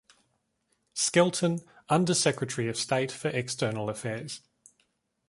Skelton, Under-Secretary of State for External Affairs.